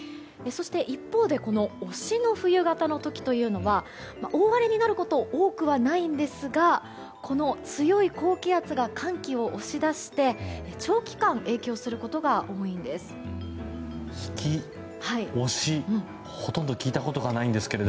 そして一方で押しの冬型の時というのは大荒れになることは多くはないんですがこの強い高気圧が寒気を押し出して長期間、影響することが多いんです。